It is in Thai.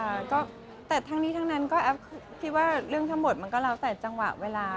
ค่ะก็แต่ทั้งนี้ทั้งนั้นก็แอฟคิดว่าเรื่องทั้งหมดมันก็แล้วแต่จังหวะเวลา